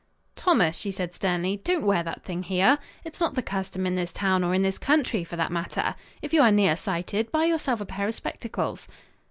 "Thomas," she said sternly, "don't wear that thing here. It's not the custom in this town or in this country, for that matter. If you are nearsighted, buy yourself a pair of spectacles."